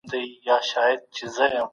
د موټر خاونده!